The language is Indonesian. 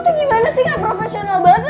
lo tuh gimana sih gak profesional banget